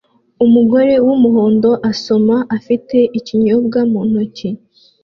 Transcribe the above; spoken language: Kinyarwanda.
Umugore wumuhondo asoma afite ikinyobwa mu ntoki